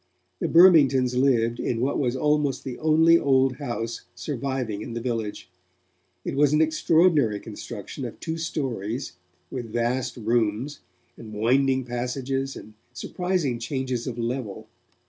The Burmingtons lived in what was almost the only old house surviving in the village. It was an extraordinary construction of two storeys, with vast rooms, and winding passages, and surprising changes of level.